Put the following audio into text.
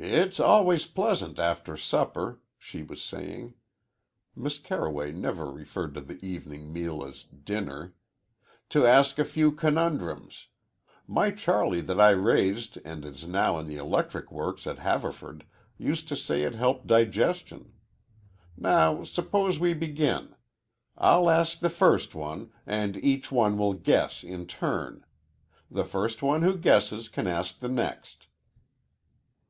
"It's always pleasant after supper," she was saying Miss Carroway never referred to the evening meal as dinner "to ask a few conundrums. My Charlie that I raised and is now in the electric works at Haverford used to say it helped digestion. Now, suppose we begin. I'll ask the first one, and each one will guess in turn. The first one who guesses can ask the next."